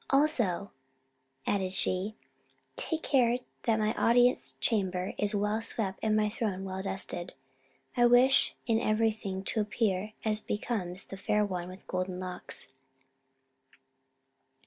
"Also," added she, "take care that my audience chamber is well swept and my throne well dusted. I wish in everything to appear as becomes the Fair One with Golden Locks."